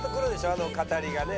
あの語りがね。